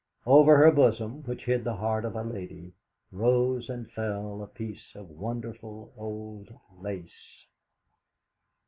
Over her bosom, which hid the heart of a lady, rose and fell a piece of wonderful old lace.